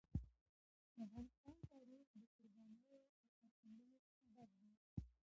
د افغانستان تاریخ د قربانیو او سرښندنو څخه ډک دی.